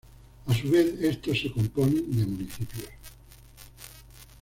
A su vez, estos a se componen de municipios.